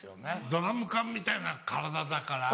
ドラム缶みたいな体だから。